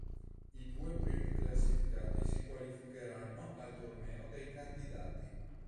I due primi classificati si qualificheranno al torneo dei candidati.